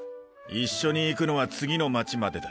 一緒に行くのは次の町までだ。